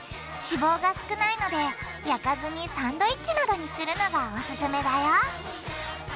脂肪が少ないので焼かずにサンドイッチなどにするのがオススメだよ！